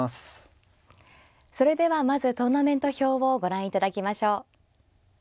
それではまずトーナメント表をご覧いただきましょう。